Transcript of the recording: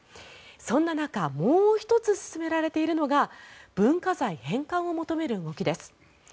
そんな中もう１つ進められているのが文化財返還を求める動きです。